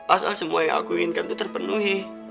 asal semua yang aku inginkan itu terpenuhi